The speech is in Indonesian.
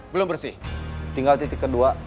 belum bersih tinggal titik kedua